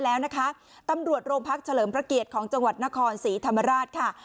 แล้วนะคะตำรวจโรงพักเฉลิมพระเกียรติของจังหวัดนครศรีธรรมราชค่ะ